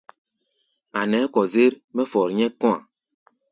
A̧ nɛɛ́ kɔzér mɛ́ fɔr nyɛ́k kɔ̧́-a̧.